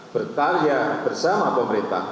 berkarya bersama pemerintah